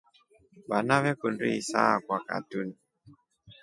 Vana veekundi isaakwa katuni.